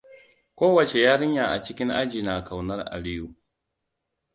Kowace yarinya a cikin aji na ƙaunar Aliyu.